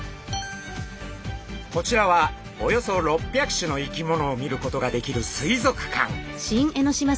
こちらはおよそ６００種の生き物を見ることができる水族館。